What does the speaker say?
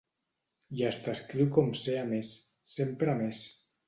I es descriu com ser a més, sempre a més.